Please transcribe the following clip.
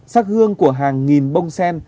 sắc hương của hàng nghìn bông sen